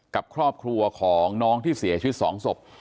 กับครอบครัวของน้องที่เสียชีวิต๒ศพ